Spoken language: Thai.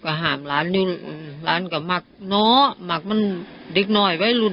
ก็ห้ามร้านอยู่ร้านก็หมักเนาะหมักมันเด็กหน่อยวัยรุ่น